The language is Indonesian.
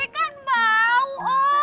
tapi kan bau om